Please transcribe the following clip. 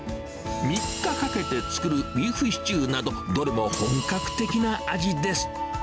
３日かけて作るビーフシチューなど、どれも本格的な味です。